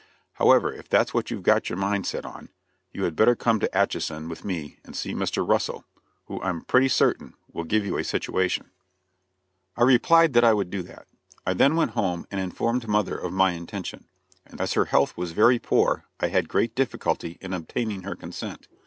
"However, if that's what you've got your mind set on, you had better come to Atchison with me and see Mr. Russell, who I'm pretty certain, will give you a situation." I replied that I would do that. I then went home and informed mother of my intention, and as her health was very poor I had great difficulty in obtaining her consent.